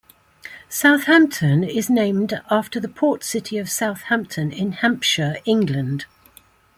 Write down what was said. Southampton is named after the port city of Southampton in Hampshire, England.